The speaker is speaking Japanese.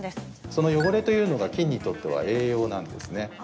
その汚れというのが菌にとっては栄養なんですね。